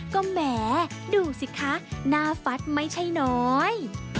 ก็แหมดูสิคะหน้าฟัดไม่ใช่น้อย